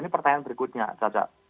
ini pertanyaan berikutnya caca